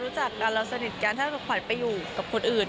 รู้จักกันเราสนิทกันถ้าขวัญไปอยู่กับคนอื่น